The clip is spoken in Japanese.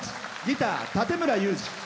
ギター、館村雄二。